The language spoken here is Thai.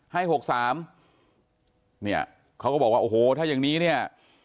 ให้๖๓เขาก็บอกว่าโอ้โหถ้ายังนี้เนี่ย